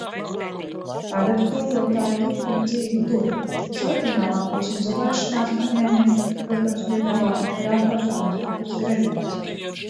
Tagad Klejotāji turpina dzīvi tur. Visoriģinālākos izolēšanās paņēmienus, protams, piedāvā operators Aleksandrs Grebņevs.